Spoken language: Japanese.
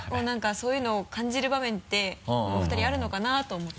そういうのを感じる場面ってお二人あるのかな？って思って。